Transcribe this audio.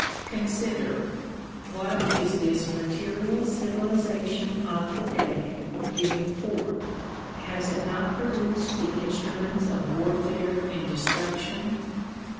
Consider; what is this material civilization of the day giving forth? Has it not produced the instruments of warfare and destruction?